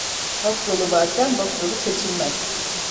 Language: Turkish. Hak yolu varken bok yolu seçilmez.